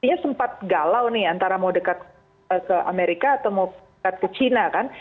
dia sempat galau nih antara mau dekat ke amerika atau mau dekat ke china kan